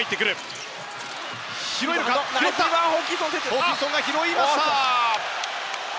ホーキンソンが拾いました。